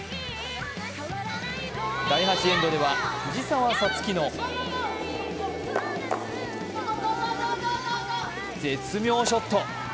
第８エンドでは藤澤五月の絶妙ショット。